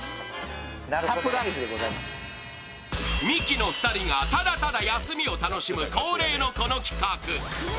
ミキの２人がただただ休みを楽しむ、恒例のこの企画。